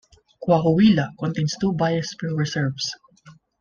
Coahuila contains two biosphere reserves.